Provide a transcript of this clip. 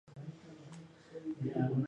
احمد ښایسته کور لري.